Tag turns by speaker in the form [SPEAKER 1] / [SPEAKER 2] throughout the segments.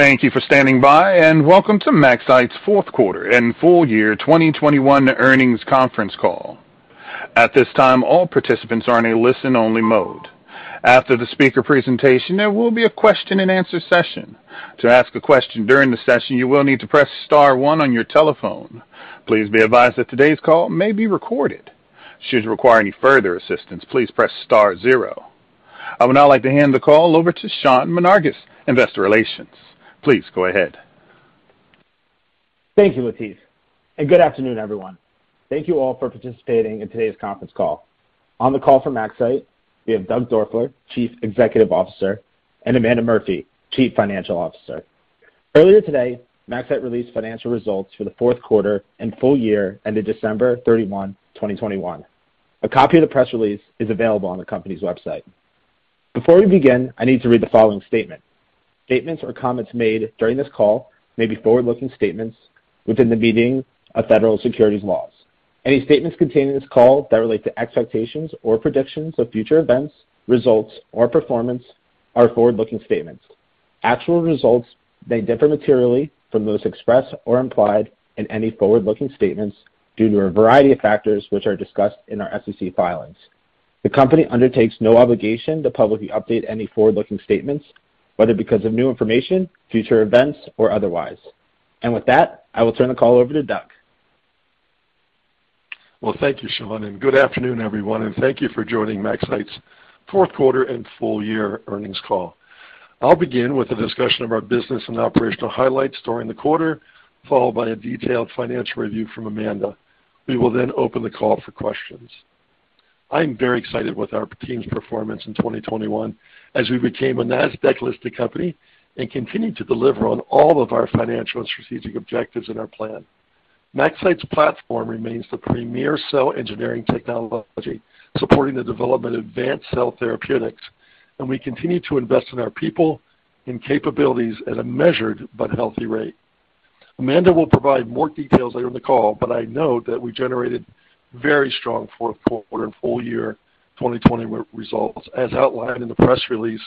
[SPEAKER 1] Thank you for standing by, and welcome to MaxCyte's fourth quarter and full year 2021 earnings conference call. At this time, all participants are in a listen-only mode. After the speaker presentation, there will be a question-and-answer session. To ask a question during the session, you will need to press star one on your telephone. Please be advised that today's call may be recorded. Should you require any further assistance, please press star zero. I would now like to hand the call over to Sean Menarguez, Investor Relations. Please go ahead.
[SPEAKER 2] Thank you, Latif, and good afternoon, everyone. Thank you all for participating in today's conference call. On the call for MaxCyte, we have Doug Doerfler, Chief Executive Officer, and Amanda Murphy, Chief Financial Officer. Earlier today, MaxCyte released financial results for the fourth quarter and full year ended December 31, 2021. A copy of the press release is available on the company's website. Before we begin, I need to read the following statement. Statements or comments made during this call may be forward-looking statements within the meaning of federal securities laws. Any statements contained in this call that relate to expectations or predictions of future events, results, or performance are forward-looking statements. Actual results may differ materially from those expressed or implied in any forward-looking statements due to a variety of factors, which are discussed in our SEC filings. The company undertakes no obligation to publicly update any forward-looking statements, whether because of new information, future events, or otherwise. With that, I will turn the call over to Doug.
[SPEAKER 3] Well, thank you, Sean, and good afternoon, everyone, and thank you for joining MaxCyte's fourth quarter and full year earnings call. I'll begin with a discussion of our business and operational highlights during the quarter, followed by a detailed financial review from Amanda. We will then open the call for questions. I'm very excited with our team's performance in 2021 as we became a NASDAQ-listed company and continued to deliver on all of our financial and strategic objectives in our plan. MaxCyte's platform remains the premier cell engineering technology supporting the development of advanced cell therapeutics, and we continue to invest in our people and capabilities at a measured but healthy rate. Amanda will provide more details later in the call, but I know that we generated very strong fourth quarter and full year 2020 results, as outlined in the press release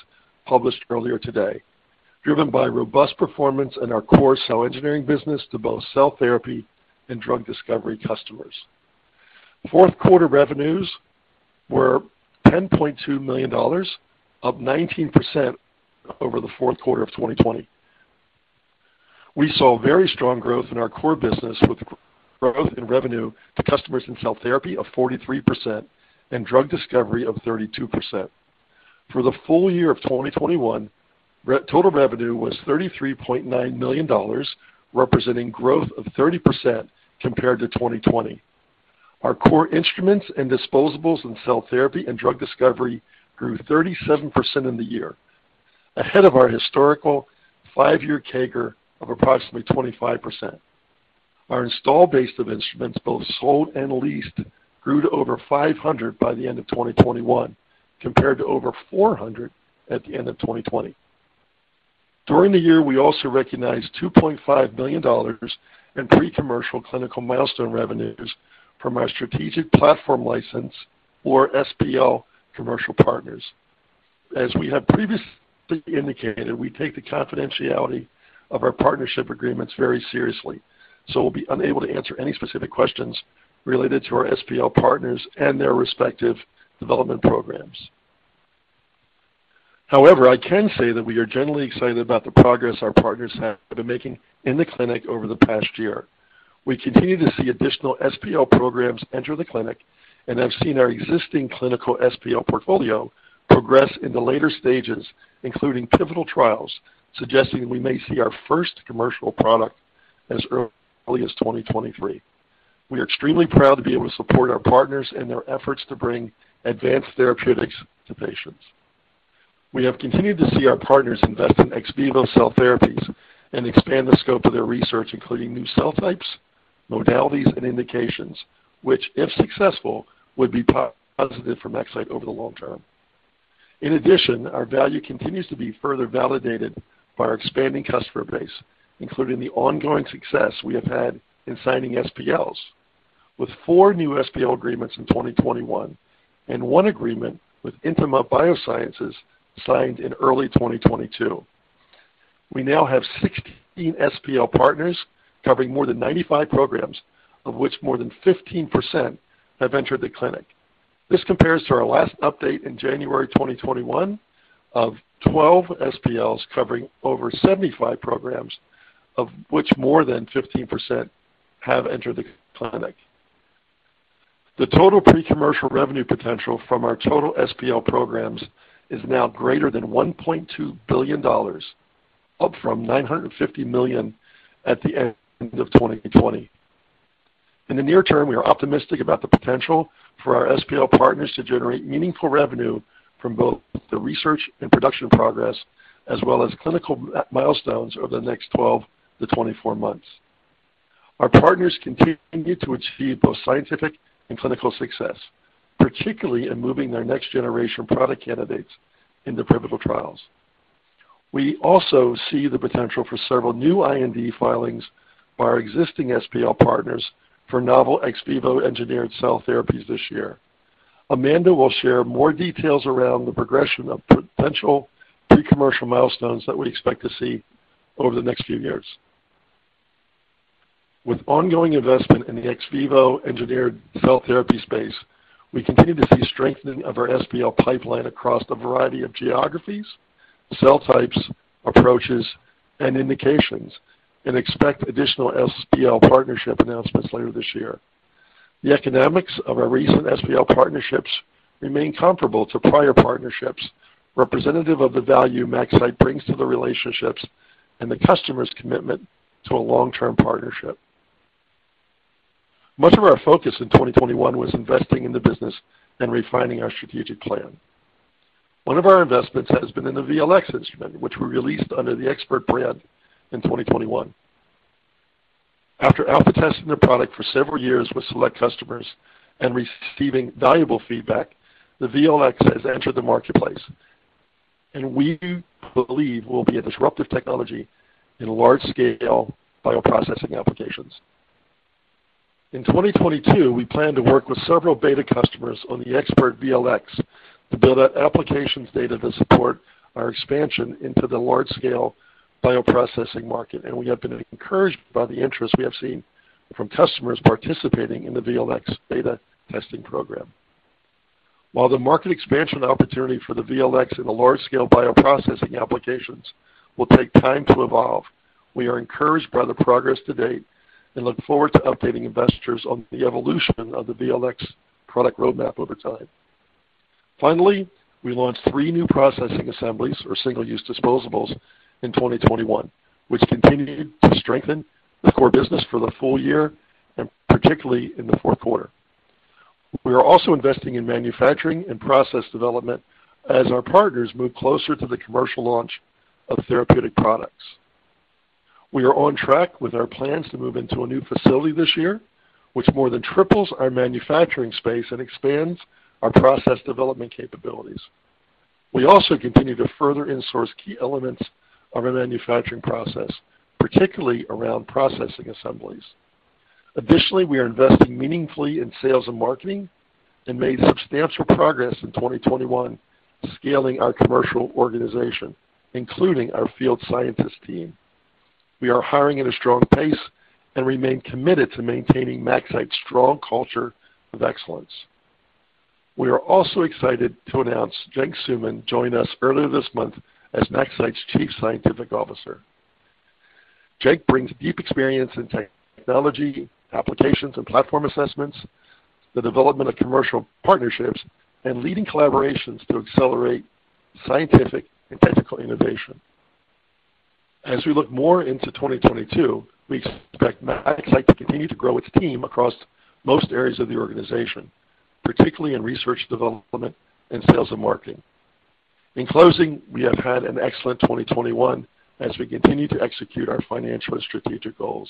[SPEAKER 3] published earlier today, driven by robust performance in our core cell engineering business to both cell therapy and drug discovery customers. Fourth quarter revenues were $10.2 million, up 19% over the fourth quarter of 2020. We saw very strong growth in our core business, with growth in revenue to customers in cell therapy of 43% and drug discovery of 32%. For the full year of 2021, total revenue was $33.9 million, representing growth of 30% compared to 2020. Our core instruments and disposables in cell therapy and drug discovery grew 37% in the year, ahead of our historical five-year CAGR of approximately 25%. Our installed base of instruments, both sold and leased, grew to over 500 by the end of 2021, compared to over 400 at the end of 2020. During the year, we also recognized $2.5 million in pre-commercial clinical milestone revenues from our strategic platform license or SPL commercial partners. As we have previously indicated, we take the confidentiality of our partnership agreements very seriously, so we'll be unable to answer any specific questions related to our SPL partners and their respective development programs. However, I can say that we are generally excited about the progress our partners have been making in the clinic over the past year. We continue to see additional SPL programs enter the clinic and have seen our existing clinical SPL portfolio progress into later stages, including pivotal trials, suggesting we may see our first commercial product as early as 2023. We are extremely proud to be able to support our partners in their efforts to bring advanced therapeutics to patients. We have continued to see our partners invest in ex vivo cell therapies and expand the scope of their research, including new cell types, modalities, and indications, which, if successful, would be positive for MaxCyte over the long term. In addition, our value continues to be further validated by our expanding customer base, including the ongoing success we have had in signing SPLs, with four new SPL agreements in 2021 and one agreement with Intima Bioscience signed in early 2022. We now have 16 SPL partners covering more than 95 programs, of which more than 15% have entered the clinic. This compares to our last update in January 2021 of 12 SPLs covering over 75 programs, of which more than 15% have entered the clinic. The total pre-commercial revenue potential from our total SPL programs is now greater than $1.2 billion, up from $950 million at the end of 2020. In the near term, we are optimistic about the potential for our SPL partners to generate meaningful revenue from both the research and production progress as well as clinical milestones over the next 12-24 months. Our partners continue to achieve both scientific and clinical success, particularly in moving their next-generation product candidates into pivotal trials. We also see the potential for several new IND filings by our existing SPL partners for novel ex vivo engineered cell therapies this year. Amanda will share more details around the progression of potential pre-commercial milestones that we expect to see over the next few years. With ongoing investment in the ex vivo engineered cell therapy space, we continue to see strengthening of our SPL pipeline across the variety of geographies, cell types, approaches, and indications, and expect additional SPL partnership announcements later this year. The economics of our recent SPL partnerships remain comparable to prior partnerships, representative of the value MaxCyte brings to the relationships and the customer's commitment to a long-term partnership. Much of our focus in 2021 was investing in the business and refining our strategic plan. One of our investments has been in the VLX instrument, which we released under the ExPERT brand in 2021. After alpha testing the product for several years with select customers and receiving valuable feedback, the VLX has entered the marketplace, and we believe will be a disruptive technology in large-scale Bioprocessing applications. In 2022, we plan to work with several beta customers on the ExPERT VLx to build out applications data to support our expansion into the large-scale Bioprocessing market, and we have been encouraged by the interest we have seen from customers participating in the VLx beta testing program. While the market expansion opportunity for the VLx in the large-scale Bioprocessing applications will take time to evolve, we are encouraged by the progress to date and look forward to updating investors on the evolution of the VLx product roadmap over time. Finally, we launched three new processing assemblies or single-use disposables in 2021, which continued to strengthen the core business for the full year, and particularly in the fourth quarter. We are also investing in manufacturing and process development as our partners move closer to the commercial launch of therapeutic products. We are on track with our plans to move into a new facility this year, which more than triples our manufacturing space and expands our process development capabilities. We also continue to further insource key elements of our manufacturing process, particularly around processing assemblies. Additionally, we are investing meaningfully in sales and marketing and made substantial progress in 2021 scaling our commercial organization, including our field scientist team. We are hiring at a strong pace and remain committed to maintaining MaxCyte's strong culture of excellence. We are also excited to announce Cenk Sumen joined us earlier this month as MaxCyte's Chief Scientific Officer. Cenk brings deep experience in technology, applications and platform assessments, the development of commercial partnerships, and leading collaborations to accelerate scientific and technical innovation. As we look more into 2022, we expect MaxCyte to continue to grow its team across most areas of the organization, particularly in research and development and sales and marketing. In closing, we have had an excellent 2021 as we continue to execute our financial and strategic goals.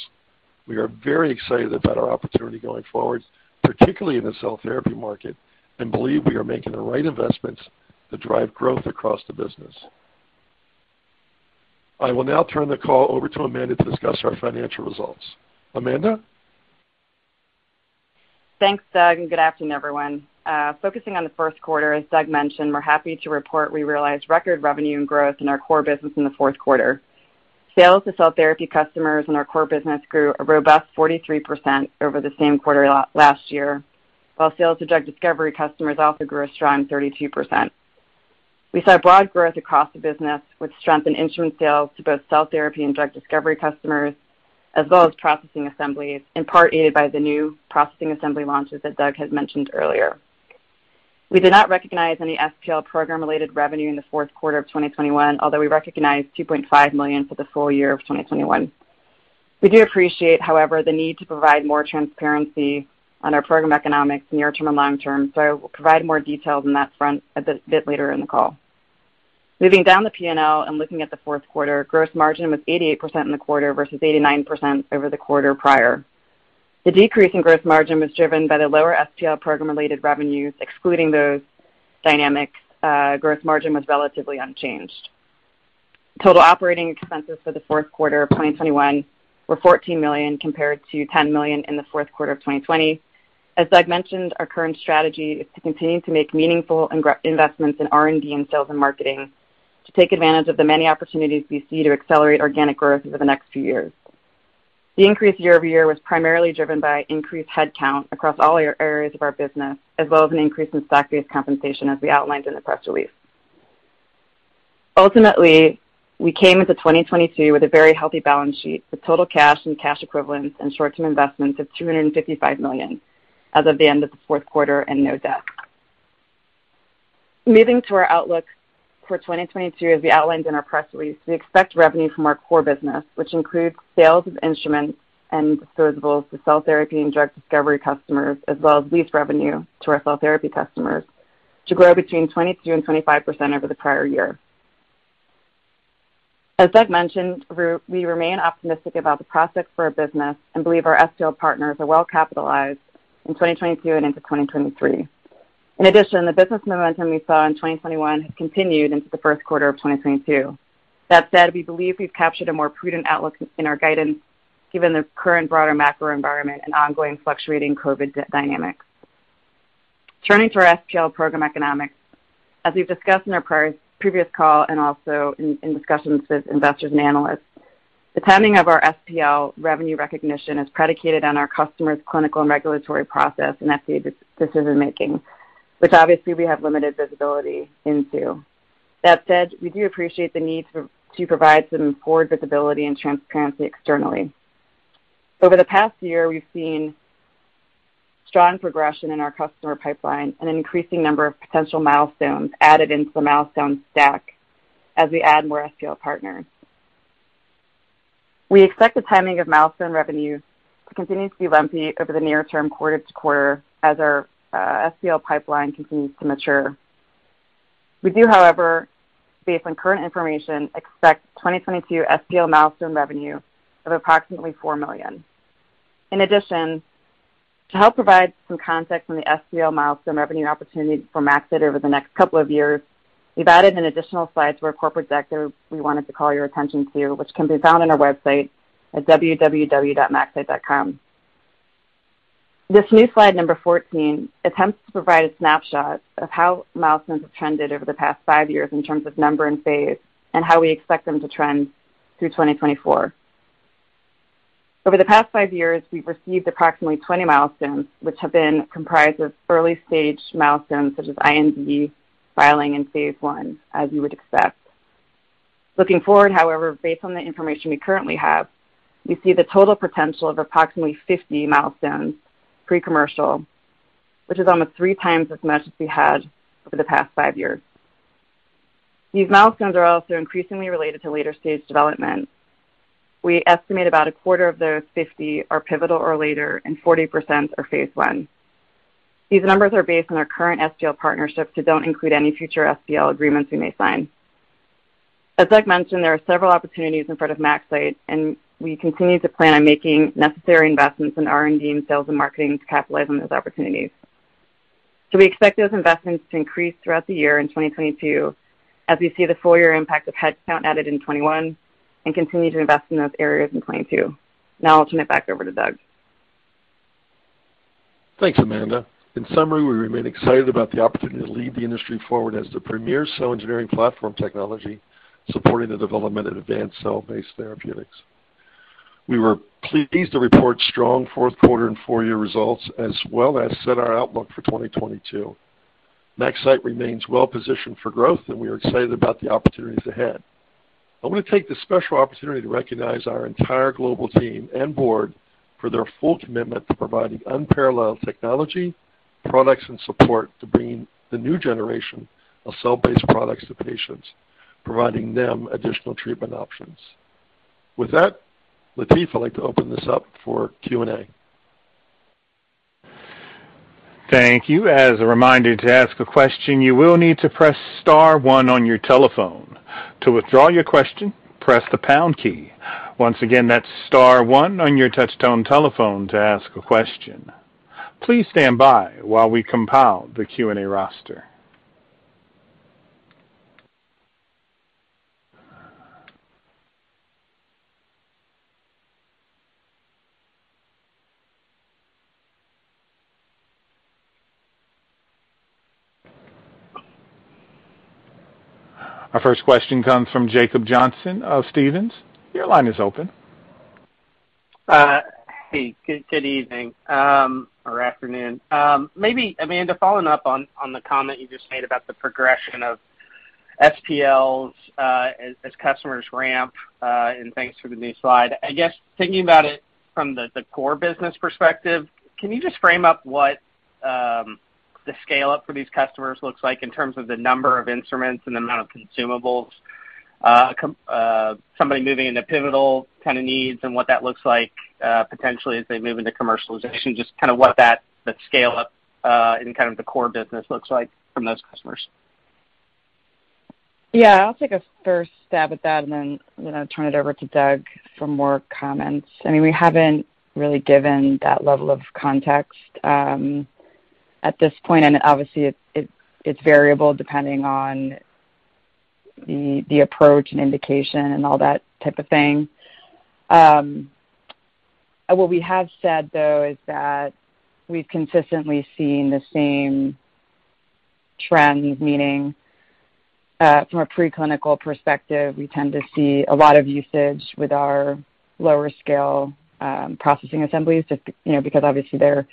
[SPEAKER 3] We are very excited about our opportunity going forward, particularly in the cell therapy market, and believe we are making the right investments to drive growth across the business. I will now turn the call over to Amanda to discuss our financial results. Amanda?
[SPEAKER 4] Thanks, Doug, and good afternoon, everyone. Focusing on the first quarter, as Doug mentioned, we're happy to report we realized record revenue and growth in our core business in the fourth quarter. Sales to cell therapy customers in our core business grew a robust 43% over the same quarter last year, while sales to drug discovery customers also grew a strong 32%. We saw broad growth across the business with strength in instrument sales to both cell therapy and drug discovery customers, as well as processing assemblies, in part aided by the new processing assembly launches that Doug had mentioned earlier. We did not recognize any SPL program-related revenue in the fourth quarter of 2021, although we recognized $2.5 million for the full year of 2021. We do appreciate, however, the need to provide more transparency on our program economics near term and long term, so I will provide more details on that front a bit later in the call. Moving down the P&L and looking at the fourth quarter, gross margin was 88% in the quarter versus 89% over the quarter prior. The decrease in gross margin was driven by the lower SPL program-related revenues. Excluding those dynamics, gross margin was relatively unchanged. Total operating expenses for the fourth quarter of 2021 were $14 million, compared to $10 million in the fourth quarter of 2020. As Doug mentioned, our current strategy is to continue to make meaningful investments in R&D and sales and marketing to take advantage of the many opportunities we see to accelerate organic growth over the next few years. The increase year-over-year was primarily driven by increased headcount across all areas of our business, as well as an increase in stock-based compensation, as we outlined in the press release. Ultimately, we came into 2022 with a very healthy balance sheet, with total cash and cash equivalents and short-term investments of $255 million as of the end of the fourth quarter and no debt. Moving to our outlook for 2022, as we outlined in our press release, we expect revenue from our core business, which includes sales of instruments and disposables to cell therapy and drug discovery customers, as well as lease revenue to our cell therapy customers, to grow between 22%-25% over the prior year. As Doug mentioned, we remain optimistic about the prospects for our business and believe our SPL partners are well capitalized in 2022 and into 2023. In addition, the business momentum we saw in 2021 has continued into the first quarter of 2022. That said, we believe we've captured a more prudent outlook in our guidance. Given the current broader macro environment and ongoing fluctuating COVID dynamics. Turning to our SPL program economics. As we've discussed in our previous call and also in discussions with investors and analysts, the timing of our SPL revenue recognition is predicated on our customer's clinical and regulatory process and FDA decision making, which obviously we have limited visibility into. That said, we do appreciate the need to provide some forward visibility and transparency externally. Over the past year, we've seen strong progression in our customer pipeline and an increasing number of potential milestones added into the milestone stack as we add more SPL partners. We expect the timing of milestone revenue to continue to be lumpy over the near term quarter to quarter as our SPL pipeline continues to mature. We do, however, based on current information, expect 2022 SPL milestone revenue of approximately $4 million. In addition, to help provide some context on the SPL milestone revenue opportunity for MaxCyte over the next couple of years, we've added an additional slide to our corporate deck that we wanted to call your attention to, which can be found on our website at www.maxcyte.com. This new slide number 14 attempts to provide a snapshot of how milestones have trended over the past five years in terms of number and phase, and how we expect them to trend through 2024. Over the past five years, we've received approximately 20 milestones, which have been comprised of early-stage milestones such as IND filing in phase I, as you would expect. Looking forward, however, based on the information we currently have, we see the total potential of approximately 50 milestones pre-commercial, which is almost three times as much as we had over the past five years. These milestones are also increasingly related to later-stage development. We estimate about a quarter of those 50 are pivotal or later, and 40% are phase I. These numbers are based on our current SPL partnerships, so don't include any future SPL agreements we may sign. As Doug mentioned, there are several opportunities in front of MaxCyte, and we continue to plan on making necessary investments in R&D and sales and marketing to capitalize on those opportunities. We expect those investments to increase throughout the year in 2022 as we see the full year impact of headcount added in 2021 and continue to invest in those areas in 2022. Now I'll turn it back over to Doug.
[SPEAKER 3] Thanks, Amanda. In summary, we remain excited about the opportunity to lead the industry forward as the premier cell engineering platform technology supporting the development of advanced cell-based therapeutics. We were pleased to report strong fourth quarter and full-year results as well as set our outlook for 2022. MaxCyte remains well positioned for growth, and we are excited about the opportunities ahead. I want to take this special opportunity to recognize our entire global team and board for their full commitment to providing unparalleled technology, products, and support to bringing the new generation of cell-based products to patients, providing them additional treatment options. With that, Latif, I'd like to open this up for Q&A.
[SPEAKER 1] Our first question comes from Jacob Johnson of Stephens. Your line is open.
[SPEAKER 5] Good evening or afternoon. Maybe, Amanda, following up on the comment you just made about the progression of SPLs, as customers ramp, and thanks for the new slide. I guess thinking about it from the core business perspective, can you just frame up what the scale-up for these customers looks like in terms of the number of instruments and the amount of consumables, somebody moving into pivotal kind of needs and what that looks like, potentially as they move into commercialization, just kind of what that, the scale-up, and kind of the core business looks like from those customers?
[SPEAKER 4] Yeah, I'll take a first stab at that and then, you know, turn it over to Doug for more comments. I mean, we haven't really given that level of context at this point, and obviously it's variable depending on the approach and indication and all that type of thing. What we have said though is that we've consistently seen the same trends, meaning from a pre-clinical perspective, we tend to see a lot of usage with our lower scale processing assemblies just, you know, because obviously they're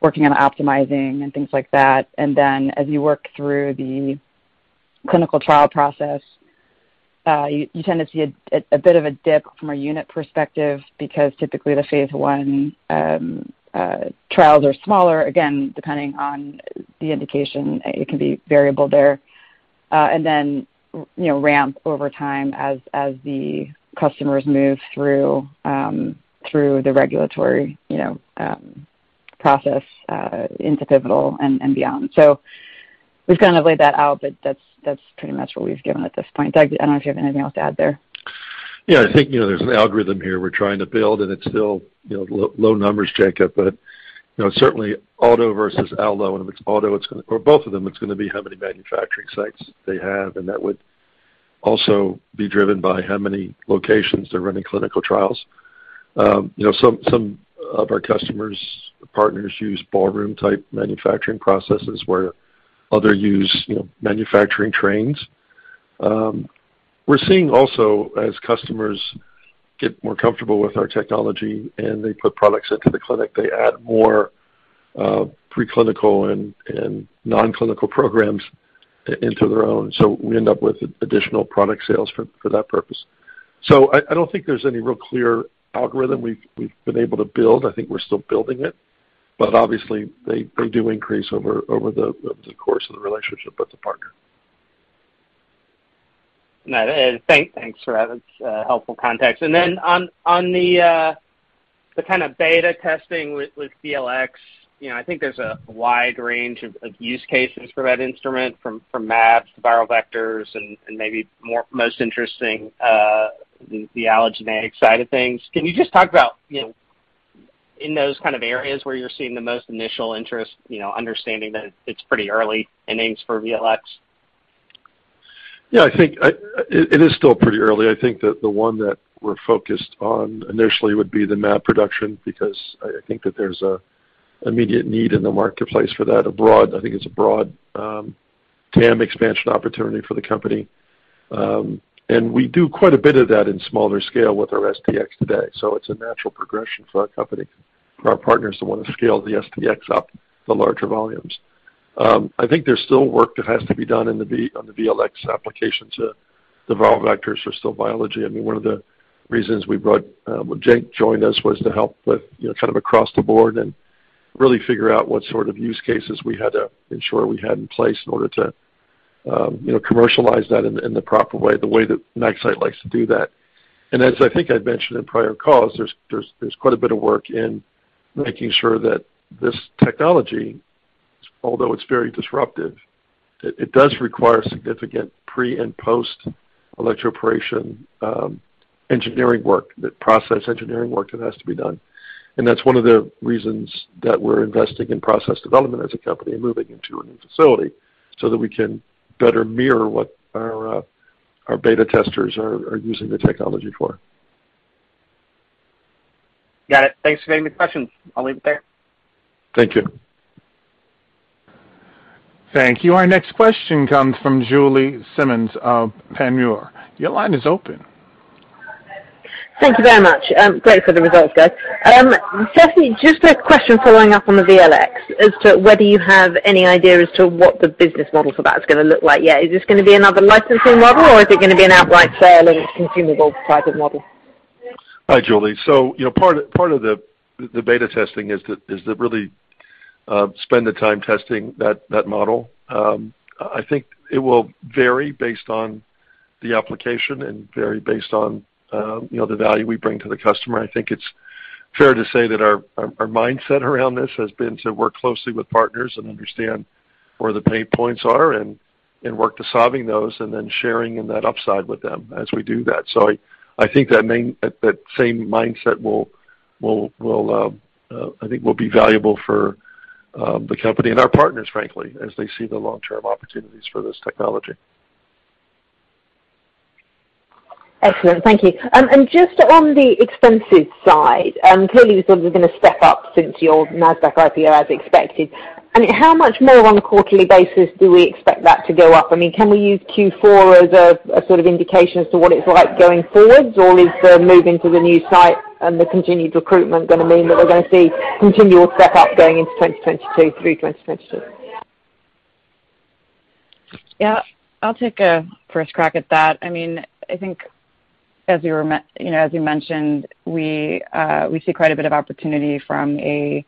[SPEAKER 4] working on optimizing and things like that. As you work through the clinical trial process, you tend to see a bit of a dip from a unit perspective because typically the phase I trials are smaller, again, depending on the indication, it can be variable there. you know, ramp over time as the customers move through the regulatory you know process into pivotal and beyond. We've kind of laid that out, but that's pretty much what we've given at this point. Doug, I don't know if you have anything else to add there.
[SPEAKER 3] Yeah, I think, you know, there's an algorithm here we're trying to build, and it's still, you know, low numbers, Jacob. You know, certainly auto versus allo, and if it's auto, it's gonna, or both of them, it's gonna be how many manufacturing sites they have and that would also be driven by how many locations they're running clinical trials. You know, some of our customer partners use ballroom type manufacturing processes where others use, you know, manufacturing trains. We're seeing also as customers get more comfortable with our technology and they put products into the clinic, they add more pre-clinical and non-clinical programs into their own. So we end up with additional product sales for that purpose. I don't think there's any real clear algorithm we've been able to build. I think we're still building it. Obviously they do increase over the course of the relationship with the partner.
[SPEAKER 5] No, thanks for that. It's helpful context. Then on the kind of beta testing with VLx, you know, I think there's a wide range of use cases for that instrument from mAbs to viral vectors and maybe the most interesting, the allogeneic side of things. Can you just talk about, you know, in those kind of areas where you're seeing the most initial interest, you know, understanding that it's pretty early innings for VLx?
[SPEAKER 3] Yeah, I think it is still pretty early. I think that the one that we're focused on initially would be the mAb production, because I think that there's an immediate need in the marketplace for that a broad. I think it's a broad TAM expansion opportunity for the company. We do quite a bit of that in smaller scale with our STx today. It's a natural progression for our company, for our partners to want to scale the STx up to larger volumes. I think there's still work that has to be done on the VLx application to the viral vectors are still biology. I mean, one of the reasons we brought, when Cenk joined us was to help with, you know, kind of across the board and really figure out what sort of use cases we had to ensure we had in place in order to, you know, commercialize that in the proper way, the way that MaxCyte likes to do that. As I think I've mentioned in prior calls, there's quite a bit of work in making sure that this technology, although it's very disruptive, it does require significant pre and post electroporation, engineering work, that process engineering work that has to be done. That's one of the reasons that we're investing in process development as a company and moving into a new facility so that we can better mirror what our beta testers are using the technology for.
[SPEAKER 5] Got it. Thanks for taking the question. I'll leave it there.
[SPEAKER 3] Thank you.
[SPEAKER 1] Thank you. Our next question comes from Julie Simmonds of Panmure. Your line is open.
[SPEAKER 6] Thank you very much. Great for the results, guys. Stephanie, just a question following up on the VLx as to whether you have any idea as to what the business model for that is going to look like yet. Is this going to be another licensing model or is it going to be an outright sale and consumable type of model?
[SPEAKER 3] Hi, Julie. You know, part of the beta testing is to really spend the time testing that model. I think it will vary based on the application and vary based on you know, the value we bring to the customer. I think it's fair to say that our mindset around this has been to work closely with partners and understand where the pain points are and work to solving those and then sharing in that upside with them as we do that. I think that same mindset will be valuable for the company and our partners, frankly, as they see the long-term opportunities for this technology.
[SPEAKER 6] Excellent. Thank you. Just on the expenses side, clearly you sort of are going to step up since your NASDAQ IPO as expected. I mean, how much more on a quarterly basis do we expect that to go up? I mean, can we use Q4 as a sort of indication as to what it's like going forwards? Or is the moving to the new site and the continued recruitment going to mean that we're going to see continual step up going into 2022 through 2022?
[SPEAKER 4] Yeah. I'll take a first crack at that. I mean, I think as you mentioned, you know, we see quite a bit of opportunity from an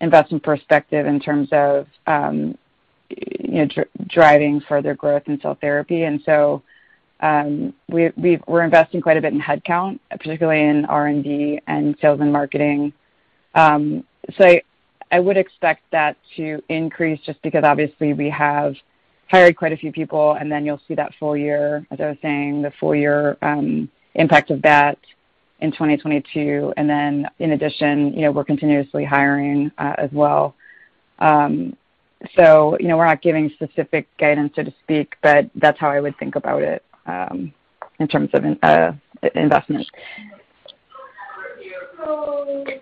[SPEAKER 4] investment perspective in terms of, you know, driving further growth in cell therapy. We're investing quite a bit in headcount, particularly in R&D and sales and marketing. So I would expect that to increase just because obviously we have hired quite a few people, and then you'll see the full year impact of that in 2022. In addition, you know, we're continuously hiring as well. So, you know, we're not giving specific guidance, so to speak, but that's how I would think about it in terms of investment.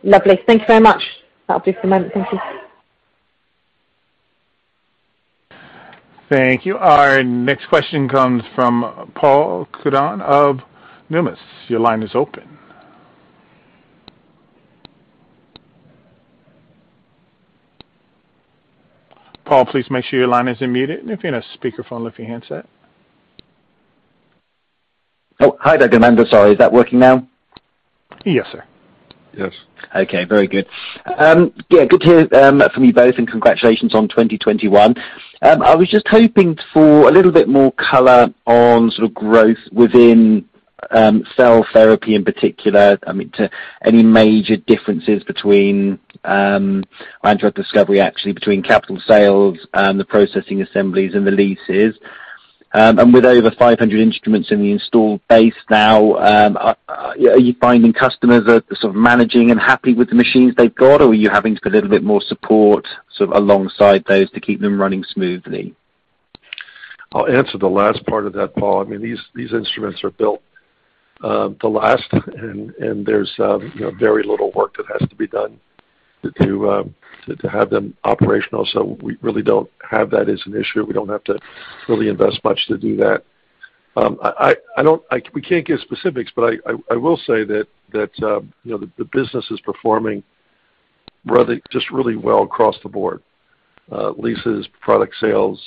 [SPEAKER 6] Lovely. Thank you very much. That'll be for the moment. Thank you.
[SPEAKER 1] Thank you. Our next question comes from Paul Cuddon of Numis. Your line is open. Paul, please make sure your line is unmuted and if you're in a speakerphone, lift your handset.
[SPEAKER 7] Oh, hi there. Sorry, is that working now?
[SPEAKER 1] Yes, sir.
[SPEAKER 3] Yes.
[SPEAKER 7] Okay, very good. Yeah, good to hear from you both, and congratulations on 2021. I was just hoping for a little bit more color on sort of growth within cell therapy in particular. I mean, to any major differences between drug discovery, actually between capital sales and the processing assemblies and the leases. With over 500 instruments in the installed base now, are you finding customers are sort of managing and happy with the machines they've got? Or are you having to put a little bit more support sort of alongside those to keep them running smoothly?
[SPEAKER 3] I'll answer the last part of that, Paul. I mean, these instruments are built to last, and there's you know, very little work that has to be done to have them operational. We really don't have that as an issue. We don't have to really invest much to do that. I don't we can't give specifics, but I will say that you know, the business is performing rather just really well across the board. Leases, product sales,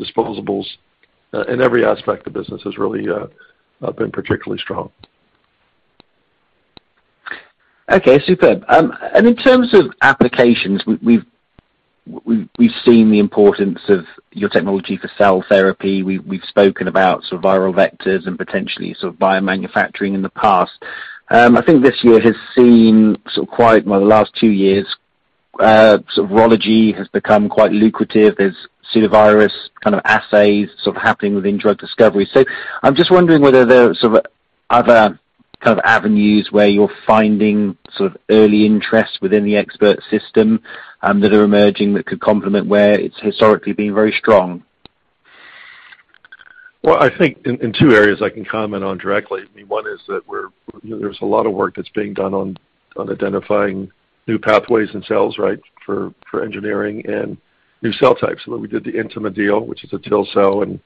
[SPEAKER 3] disposables, in every aspect of business has really been particularly strong.
[SPEAKER 7] Okay, superb. In terms of applications, we've seen the importance of your technology for cell therapy. We've spoken about sort of viral vectors and potentially sort of biomanufacturing in the past. I think this year has seen sort of quite, well, the last two years, sort of virology has become quite lucrative. There's pseudovirus kind of assays sort of happening within drug discovery. I'm just wondering whether there are sort of other kind of avenues where you're finding sort of early interest within the ExPERT system, that are emerging that could complement where it's historically been very strong.
[SPEAKER 3] Well, I think in two areas I can comment on directly. I mean, one is that we're, you know, there's a lot of work that's being done on identifying new pathways and cells, right, for engineering and new cell types. We did the Intima deal, which is a TIL cell, and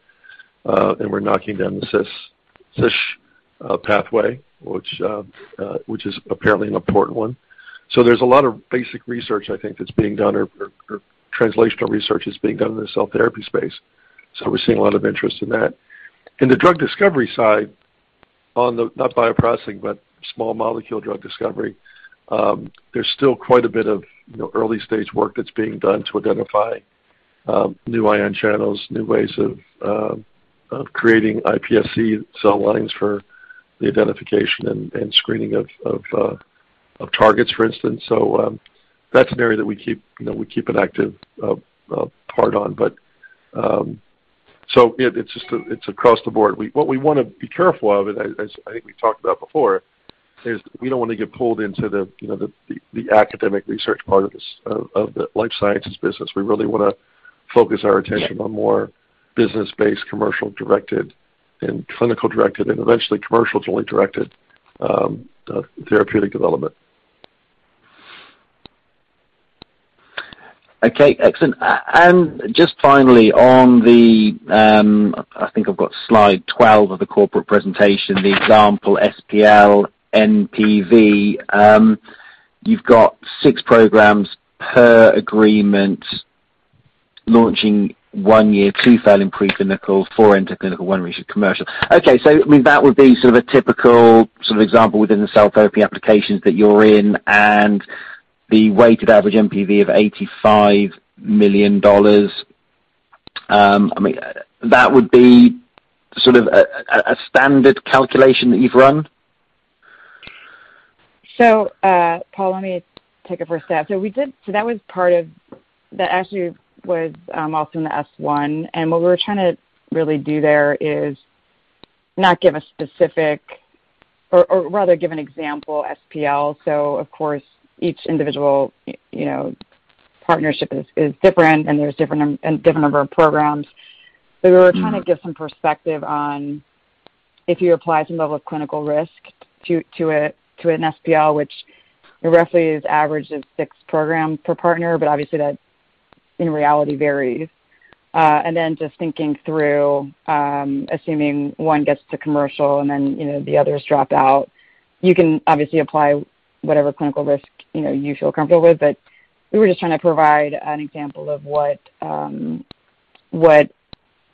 [SPEAKER 3] we're knocking down the cGAS-STING pathway, which is apparently an important one. There's a lot of basic research I think that's being done or translational research that's being done in the cell therapy space. We're seeing a lot of interest in that. In the drug discovery side, on the, not Bioprocessing, but small molecule drug discovery, there's still quite a bit of, you know, early stage work that's being done to identify new ion channels, new ways of creating iPSC cell lines for the identification and screening of targets, for instance. That's an area that we keep, you know, an active part on. It's just across the board. What we wanna be careful of, and as I think we talked about before, is we don't want to get pulled into the, you know, the academic research part of this, of the life sciences business. We really wanna focus our attention on more business-based, commercial-directed and clinical-directed and eventually commercial-only directed therapeutic development.
[SPEAKER 7] Okay, excellent. Just finally on the, I think I've got slide twelve of the corporate presentation, the example SPL NPV, you've got 6 programs per agreement launching 1 year, 2 failing preclinical, 4 into clinical, 1 reached commercial. Okay. I mean, that would be sort of a typical sort of example within the cell therapy applications that you're in and the weighted average NPV of $85 million. I mean, that would be sort of a standard calculation that you've run?
[SPEAKER 4] Paul, let me take it first stab. That actually was also in the S-1. What we were trying to really do there is not give a specific or rather give an example SPL. Of course, each individual, you know, partnership is different, and there's different number of programs. We were trying to give some perspective on if you apply some level of clinical risk to an SPL, which roughly is average of six programs per partner, but obviously that in reality varies. Then just thinking through, assuming one gets to commercial and then, you know, the others drop out, you can obviously apply whatever clinical risk, you know, you feel comfortable with. We were just trying to provide an example of what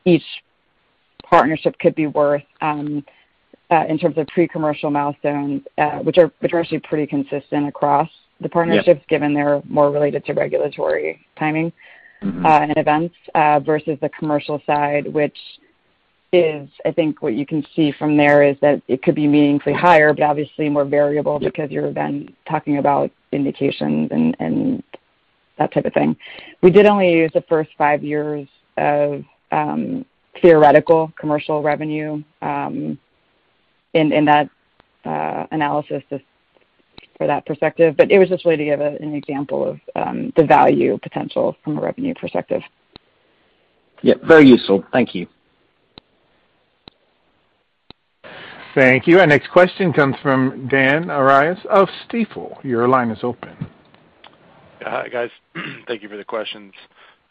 [SPEAKER 4] each partnership could be worth in terms of pre-commercial milestones, which are actually pretty consistent across the partnerships.
[SPEAKER 7] Yeah.
[SPEAKER 4] given they're more related to regulatory timing
[SPEAKER 7] Mm-hmm.
[SPEAKER 4] Events versus the commercial side, which I think is what you can see from there, that it could be meaningfully higher, but obviously more variable because you're then talking about indications and that type of thing. We did only use the first five years of theoretical commercial revenue in that analysis just for that perspective. It was just really to give an example of the value potential from a revenue perspective.
[SPEAKER 7] Yeah, very useful. Thank you.
[SPEAKER 1] Thank you. Our next question comes from Dan Arias of Stifel. Your line is open.
[SPEAKER 8] Hi, guys. Thank you for the questions.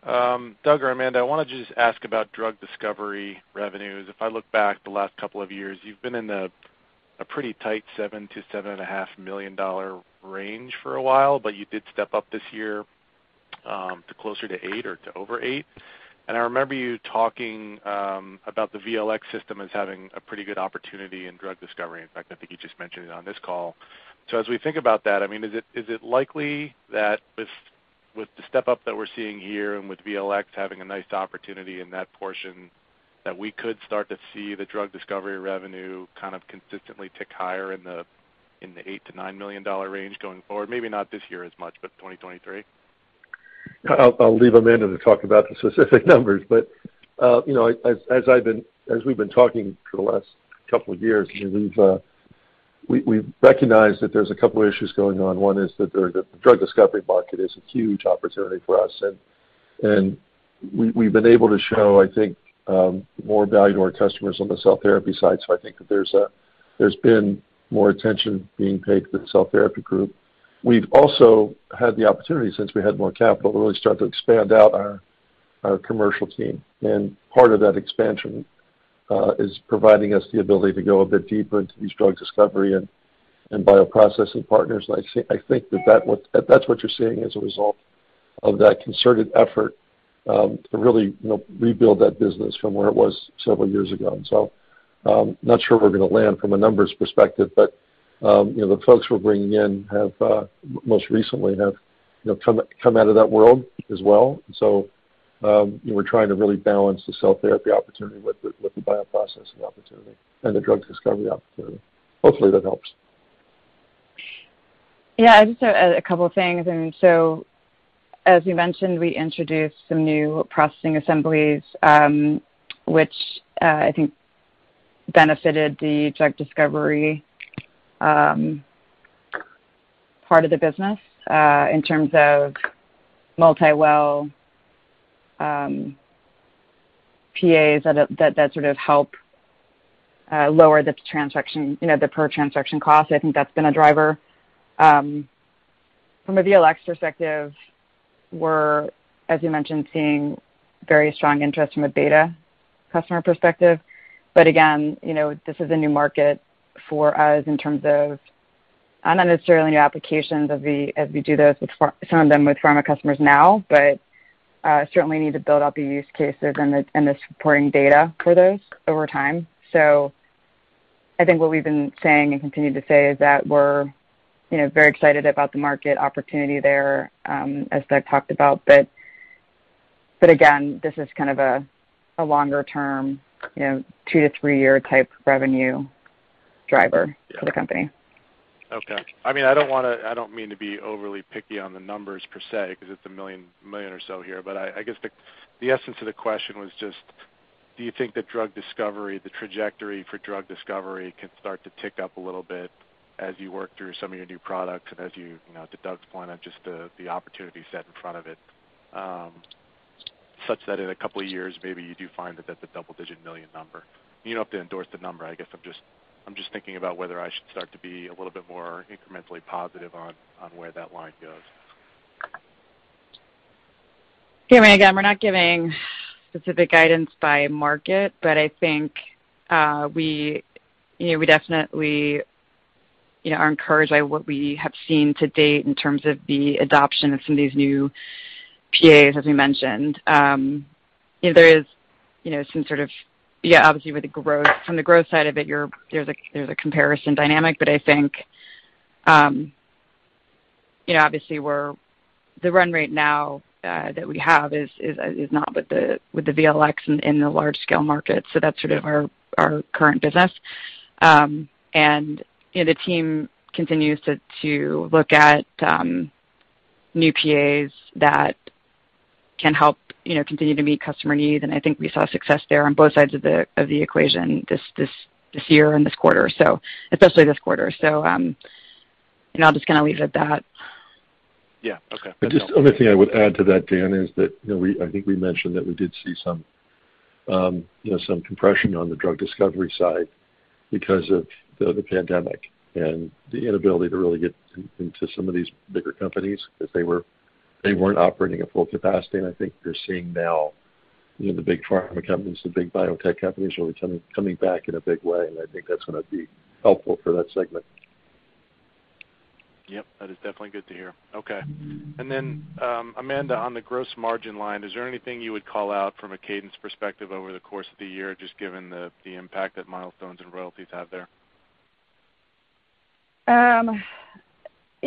[SPEAKER 8] Doug or Amanda, I want to just ask about drug discovery revenues. If I look back over the last couple of years, you've been in a pretty tight $7-$7.5 million range for a while, but you did step up this year to closer to $8 or to over $8. I remember you talking about the VLx system as having a pretty good opportunity in drug discovery. In fact, I think you just mentioned it on this call. As we think about that, I mean, is it likely that with the step-up that we're seeing here and with VLx having a nice opportunity in that portion, that we could start to see the drug discovery revenue kind of consistently tick higher in the $8 million-$9 million range going forward? Maybe not this year as much, but 2023.
[SPEAKER 3] I'll leave Amanda to talk about the specific numbers. You know, as we've been talking for the last couple of years, I mean, we recognize that there's a couple issues going on. One is that the drug discovery market is a huge opportunity for us. We've been able to show, I think, more value to our customers on the cell therapy side, so I think that there's been more attention being paid to the cell therapy group. We've also had the opportunity, since we had more capital, to really start to expand out our commercial team. Part of that expansion is providing us the ability to go a bit deeper into these drug discovery and Bioprocessing Partners. I think that's what you're seeing as a result of that concerted effort to really, you know, rebuild that business from where it was several years ago. Not sure where we're gonna land from a numbers perspective, but, you know, the folks we're bringing in have most recently, you know, come out of that world as well. We're trying to really balance the cell therapy opportunity with the Bioprocessing opportunity and the drug discovery opportunity. Hopefully, that helps.
[SPEAKER 4] Yeah. Just a couple things. I mean, as we mentioned, we introduced some new processing assemblies, which I think benefited the drug discovery part of the business in terms of multi-well PAs that sort of help lower the transaction, you know, the per transaction cost. I think that's been a driver. From a VLX perspective, we're, as you mentioned, seeing very strong interest from a beta customer perspective. Again, you know, this is a new market for us in terms of not necessarily new applications, as we do this with some of them with pharma customers now, certainly need to build out the use cases and the supporting data for those over time. I think what we've been saying and continue to say is that we're, you know, very excited about the market opportunity there, as Doug talked about. Again, this is kind of a longer term, you know, two to three year type revenue driver.
[SPEAKER 8] Yeah.
[SPEAKER 4] for the company.
[SPEAKER 8] Okay. I mean, I don't mean to be overly picky on the numbers per se 'cause it's $1 million or so here, but I guess the essence of the question was just do you think that drug discovery, the trajectory for drug discovery can start to tick up a little bit as you work through some of your new products and as you know, to Doug's point on just the opportunity set in front of it, such that in a couple of years, maybe you do find that that's a double-digit million number? You don't have to endorse the number. I guess I'm just thinking about whether I should start to be a little bit more incrementally positive on where that line goes.
[SPEAKER 4] Yeah. I mean, again, we're not giving specific guidance by market, but I think we you know we definitely you know are encouraged by what we have seen to date in terms of the adoption of some of these new PAs, as we mentioned. You know, there is you know some sort of obviously with the growth from the growth side of it there's a comparison dynamic. I think you know obviously the run rate now that we have is not with the VLX in the large scale market. That's sort of our current business. You know, the team continues to look at new PAs that can help, you know, continue to meet customer needs, and I think we saw success there on both sides of the equation this year and this quarter. Especially this quarter. I'll just kinda leave it at that.
[SPEAKER 8] Yeah. Okay.
[SPEAKER 3] The only thing I would add to that, Dan, is that you know I think we mentioned that we did see some you know some compression on the drug discovery side because of the pandemic and the inability to really get into some of these bigger companies because they weren't operating at full capacity. I think you're seeing now you know the big pharma companies, the big biotech companies really coming back in a big way. I think that's gonna be helpful for that segment.
[SPEAKER 8] Yep. That is definitely good to hear. Okay. Amanda, on the gross margin line, is there anything you would call out from a cadence perspective over the course of the year, just given the impact that milestones and royalties have there?
[SPEAKER 4] Yeah,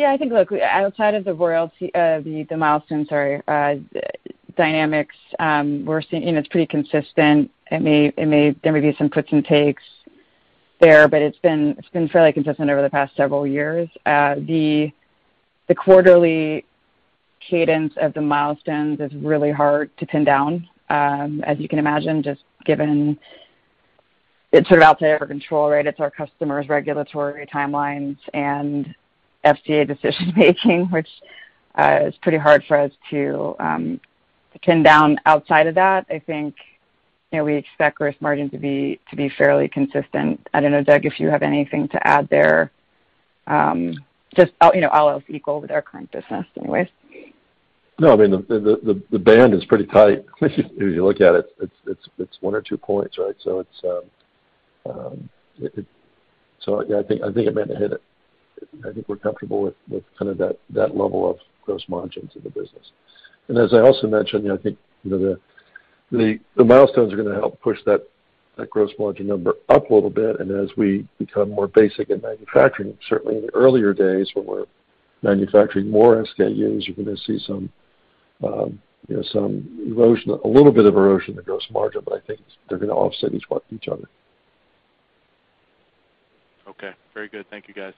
[SPEAKER 4] I think, look, outside of the royalty, the milestones dynamics, we're seeing, you know, it's pretty consistent. There may be some puts and takes there, but it's been fairly consistent over the past several years. The quarterly cadence of the milestones is really hard to pin down, as you can imagine, just given it's sort of out of our control, right? It's our customers' regulatory timelines and FDA decision-making, which is pretty hard for us to pin down. Outside of that, I think, you know, we expect gross margin to be fairly consistent. I don't know, Doug, if you have anything to add there. Just, you know, all else equal with our current business anyways.
[SPEAKER 3] No. I mean, the band is pretty tight as you look at it. It's one or two points, right? I think Amanda hit it. I think we're comfortable with kind of that level of gross margins in the business. As I also mentioned, you know, I think, you know, the milestones are gonna help push that gross margin number up a little bit. As we become more basic in manufacturing, certainly in the earlier days when we're manufacturing more SKUs, you're gonna see some erosion, a little bit of erosion in gross margin, but I think they're gonna offset each other.
[SPEAKER 8] Okay. Very good. Thank you, guys.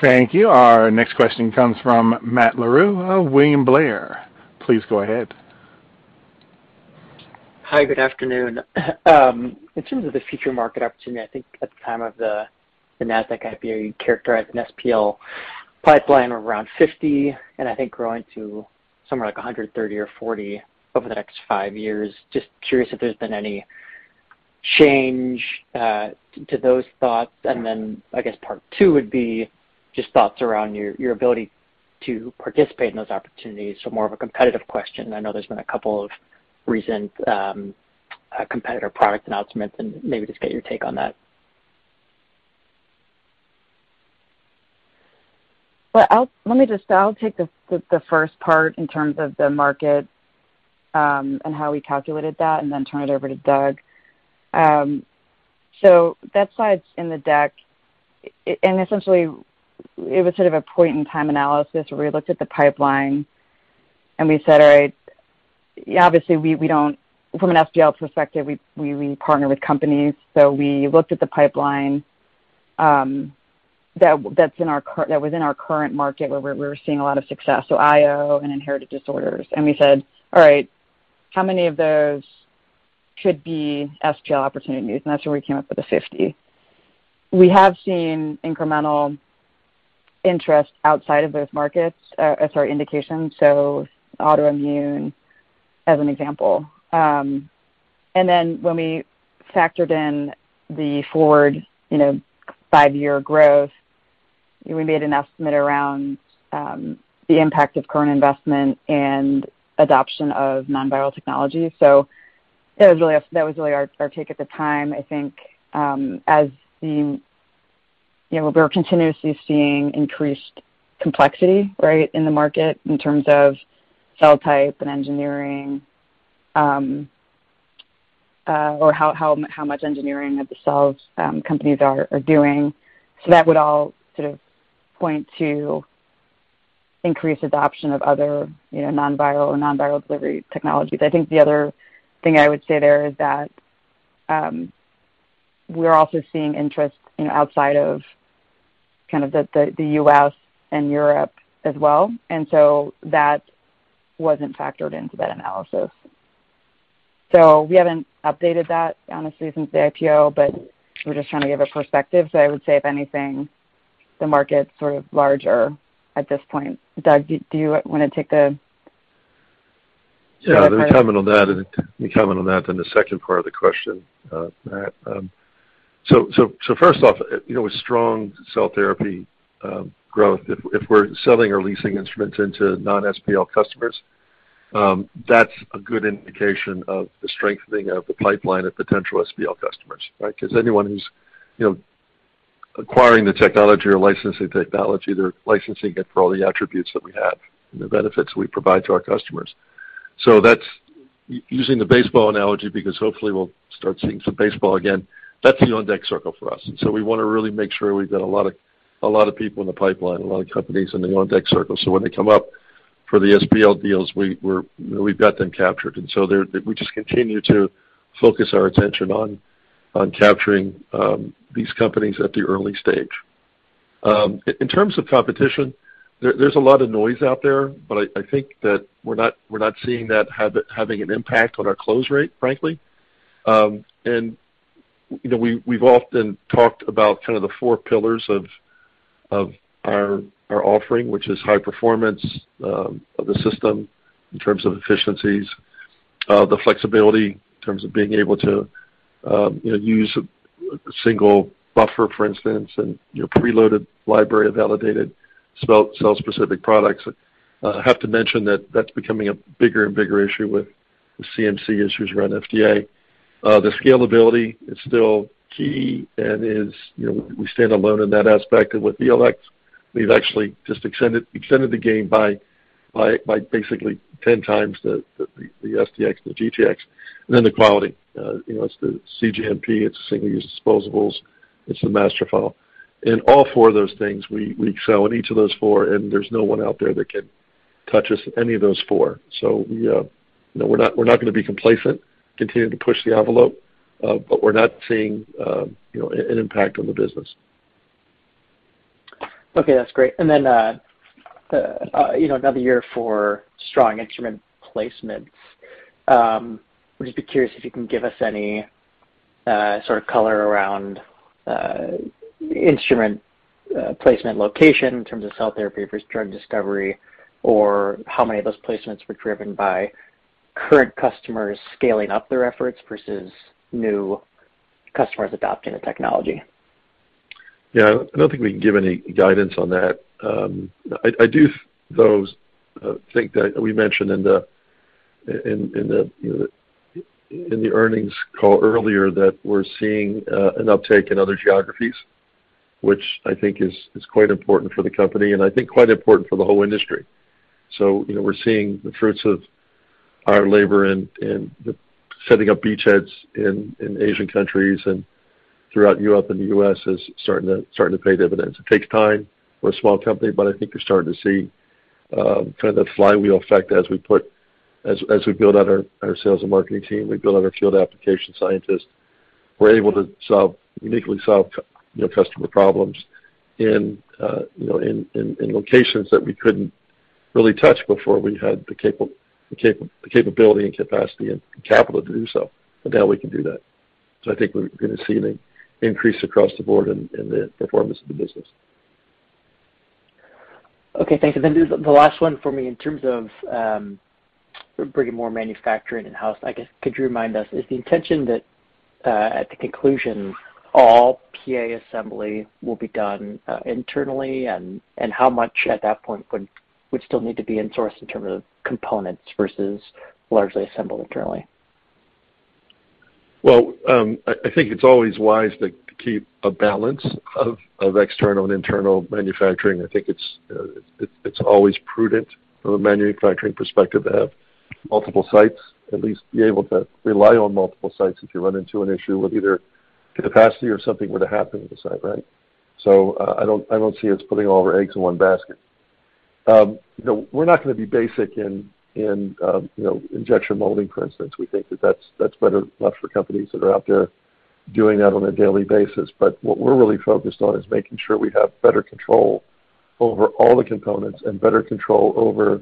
[SPEAKER 1] Thank you. Our next question comes from Matt Larew of William Blair. Please go ahead.
[SPEAKER 9] Hi, good afternoon. In terms of the future market opportunity, I think at the time of the NASDAQ IPO, you characterized an SPL pipeline around 50 and I think growing to somewhere like 130 or 140 over the next 5 years. Just curious if there's been any change to those thoughts. I guess part two would be just thoughts around your ability to participate in those opportunities. More of a competitive question. I know there's been a couple of recent competitor product announcements, and maybe just get your take on that.
[SPEAKER 4] I'll take the first part in terms of the market and how we calculated that and then turn it over to Doug. That slide's in the deck. And essentially it was sort of a point in time analysis where we looked at the pipeline and we said, all right, obviously we don't. From an SPL perspective, we partner with companies. We looked at the pipeline that was in our current market where we're seeing a lot of success, so IO and inherited disorders. We said, all right, how many of those should be SPL opportunities? That's where we came up with the 50. We have seen incremental interest outside of those markets, or sorry, indications, so autoimmune as an example. Then when we factored in the forward five-year growth, we made an estimate around the impact of current investment and adoption of non-viral technology. That was really our take at the time. I think as you know, we're continuously seeing increased complexity, right, in the market in terms of cell type and engineering, or how much engineering of the cells companies are doing. That would all sort of point to increased adoption of other non-viral delivery technologies. I think the other thing I would say there is that, we're also seeing interest, you know, outside of kind of the U.S. and Europe as well. That wasn't factored into that analysis. We haven't updated that honestly since the IPO, but we're just trying to give a perspective. I would say if anything, the market's sort of larger at this point. Doug, do you want to take the other part?
[SPEAKER 3] Let me comment on that, then the second part of the question, Matt. First off, you know, with strong cell therapy growth, if we're selling or leasing instruments into non-SPL customers, that's a good indication of the strengthening of the pipeline of potential SPL customers, right? 'Cause anyone who's, you know, acquiring the technology or licensing technology, they're licensing it for all the attributes that we have and the benefits we provide to our customers. That's using the baseball analogy, because hopefully we'll start seeing some baseball again, that's the on-deck circle for us. We wanna really make sure we've got a lot of people in the pipeline, a lot of companies in the on-deck circle, so when they come up for the SPL deals, we've got them captured. We just continue to focus our attention on capturing these companies at the early stage. In terms of competition, there's a lot of noise out there, but I think that we're not seeing that having an impact on our close rate, frankly. You know, we've often talked about kind of the four pillars of our offering, which is high performance of the system in terms of efficiencies, the flexibility in terms of being able to use a single buffer, for instance, and you know, preloaded library of validated cell-specific products. Have to mention that that's becoming a bigger and bigger issue with CMC issues around FDA. The scalability is still key, you know, we stand alone in that aspect. With the VLx, we've actually just extended the range by basically 10 times the STx and the GTx. Then the quality. You know, it's the cGMP, it's the single-use disposables, it's the Master File. In all four of those things, we excel in each of those four, and there's no one out there that can touch us in any of those four. We, you know, we're not gonna be complacent, continue to push the envelope, but we're not seeing, you know, an impact on the business.
[SPEAKER 9] Okay, that's great. You know, another year for strong instrument placements. Would you be curious if you can give us any sort of color around instrument placement location in terms of cell therapy versus drug discovery, or how many of those placements were driven by current customers scaling up their efforts versus new customers adopting the technology?
[SPEAKER 3] Yeah. I don't think we can give any guidance on that. I do, though, think that we mentioned in the earnings call earlier that we're seeing an uptake in other geographies, which I think is quite important for the company and I think quite important for the whole industry. You know, we're seeing the fruits of our labor in setting up beachheads in Asian countries and throughout Europe and the U.S. is starting to pay dividends. It takes time. We're a small company, but I think you're starting to see kind of that flywheel effect as we build out our sales and marketing team, we build out our field application scientists. We're able to solve, uniquely solve you know, customer problems in you know, locations that we couldn't really touch before we had the capability and capacity and capital to do so. Now we can do that. I think we're gonna see an increase across the board in the performance of the business.
[SPEAKER 9] Okay, thanks. Just the last one for me. In terms of bringing more manufacturing in-house, I guess could you remind us, is the intention that at the conclusion, all PA assembly will be done internally? How much at that point would still need to be insourced in terms of components versus largely assembled internally?
[SPEAKER 3] I think it's always wise to keep a balance of external and internal manufacturing. I think it's always prudent from a manufacturing perspective to have multiple sites, at least be able to rely on multiple sites if you run into an issue with either capacity or something were to happen with the site, right? I don't see us putting all of our eggs in one basket. You know, we're not gonna be basic in you know, injection molding, for instance. We think that that's better left for companies that are out there doing that on a daily basis. What we're really focused on is making sure we have better control over all the components and better control over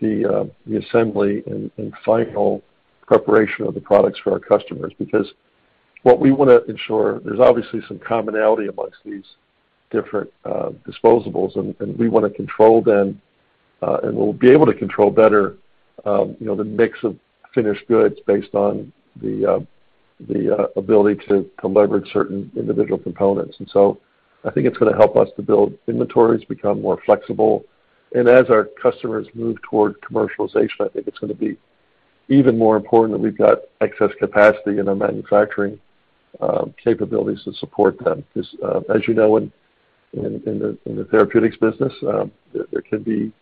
[SPEAKER 3] the assembly and final preparation of the products for our customers. Because what we wanna ensure, there's obviously some commonality among these different disposables, and we wanna control them, and we'll be able to control better, you know, the mix of finished goods based on the ability to leverage certain individual components. I think it's gonna help us to build inventories, become more flexible. As our customers move toward commercialization, I think it's gonna be even more important that we've got excess capacity in our manufacturing capabilities to support them. Because, as you know, in the therapeutics business, there can be